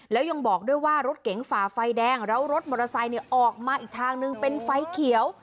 แล้วยังบอกด้วยว่ารถเก๋งฝ่าไฟแดงแล้วรถมอเตอร์ไซค์ออกมาอีกทางนึงเป็นไฟเขียว